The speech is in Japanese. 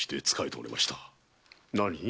何？